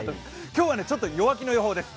今日はちょっと弱気の予報です。